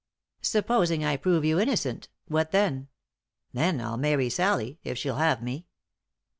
" Supposing I prove you innocent, what then ?"" Then I'll marry Sallie ; if she'll have me.